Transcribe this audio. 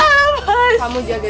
kamu jaga dia dengan baik